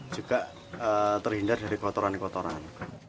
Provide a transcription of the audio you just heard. juga terhindar dari kotoran kotoran